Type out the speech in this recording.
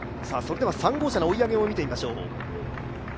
３号車の追い上げを見てみましょう。